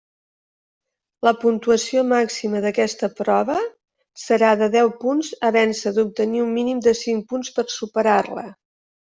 La puntuació màxima d'aquesta prova serà de deu punts havent-se d'obtenir un mínim de cinc punts per superar-la.